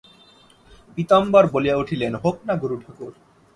পীতাম্বর বলিয়া উঠিলেন, হোক-না গুরুঠাকুর।